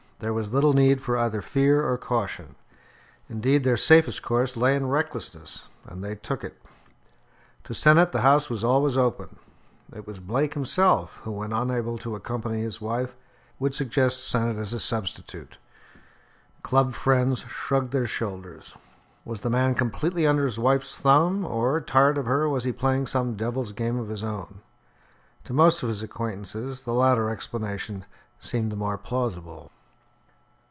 There was little need for either fear or caution. Indeed, their safest course lay in recklessness, and they took it. To Sennett the house was always open. It was Blake himself who, when unable to accompany his wife, would suggest Sennett as a substitute. Club friends shrugged their shoulders. Was the man completely under his wife's thumb; or, tired of her, was he playing some devil's game of his own? To most of his acquaintances the latter explanation seemed the more plausible.